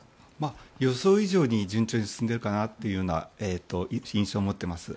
予想以上に順調に進んでいるかなという印象を持っています。